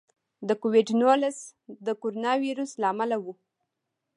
د کوویډ نولس د کورونا وایرس له امله و.